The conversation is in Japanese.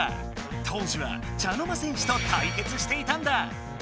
当時は茶の間戦士とたいけつしていたんだ！